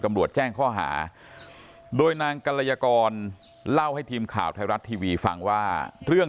ตำรวจแจ้งข้อหาโดยนางกรยากรเล่าให้ทีมข่าวไทยรัฐทีวีฟังว่าเรื่อง